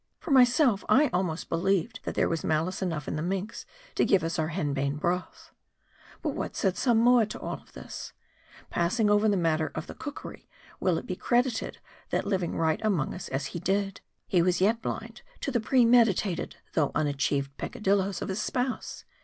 For myself, I almost believed, that there was malice enough in the minx to give us our henbane broth. But what said Samoa to all this ? Passing over the matter of the cookery, will it be credited, that living right among us as he did, he was yet blind to the premeditated though unachieved peccadilloes of his spouse